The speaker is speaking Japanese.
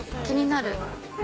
気になる！